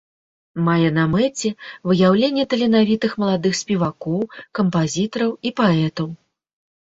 Мае на мэце выяўленне таленавітых маладых спевакоў, кампазітараў і паэтаў.